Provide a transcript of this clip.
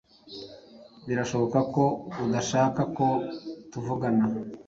Birashoboka ko udashaka ko tuvugana.